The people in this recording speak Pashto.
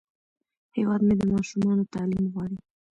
هیواد مې د ماشومانو تعلیم غواړي